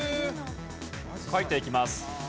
書いていきます。